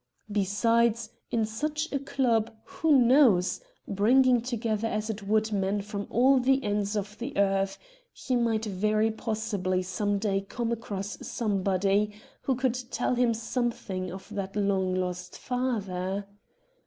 Besides, 12 RED DIAMONDS in such a club, who knows, bringing together as it would men from all the ends of the earth, he might very possibly some day come across somebody who could tell him some thing of that long lost father?